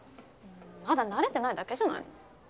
まだ慣れてないだけじゃないの？